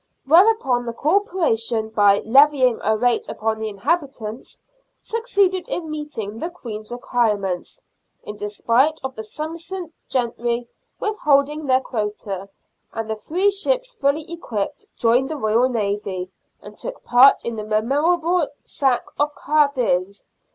Whereupon the Corporation, by levying a rate upon the inhabitants, succeeded in meeting the Queen's requirements, in despite of the Somerset gentry withholding their quota, and the three ships fully equipped joined the Royal Navy, and took part in the memorable sack of Cadiz.